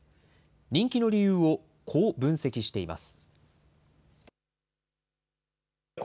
人気の理由をこう分析しています。